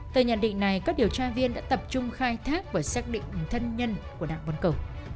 từ nhận định này các điều tra viên đã tập trung khai thác và xác định thân nhân của đặng văn cầu